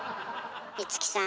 五木さん